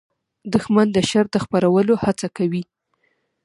دښمن د شر د خپرولو هڅه کوي